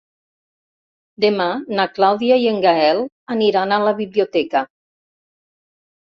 Demà na Clàudia i en Gaël aniran a la biblioteca.